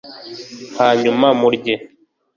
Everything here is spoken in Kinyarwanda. hanyuma murye